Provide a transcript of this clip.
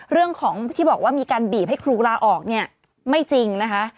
เรื่องของที่บอกว่ามีการบีบให้ครูลาออกเนี่ยไม่จริงนะคะ